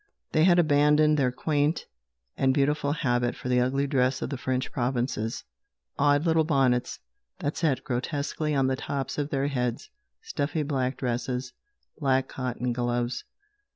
They had abandoned their quaint and beautiful habit for the ugly dress of the French provinces odd little bonnets that sat grotesquely on the tops of their heads, stuffy black dresses, black cotton gloves.